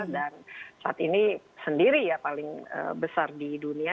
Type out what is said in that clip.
dan saat ini sendiri ya paling besar di dunia